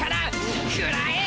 くらえ！